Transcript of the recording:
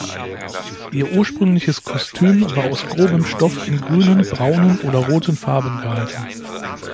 Ihr ursprüngliches Kostüm war aus grobem Stoff in grünen, braunen oder roten Farben gehalten.